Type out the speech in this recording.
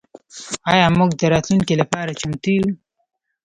آیا موږ د راتلونکي لپاره چمتو یو؟